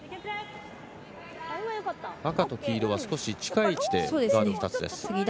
赤と黄色は少し近い位置でカード２つです。